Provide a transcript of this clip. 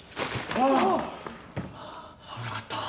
あぁ危なかった。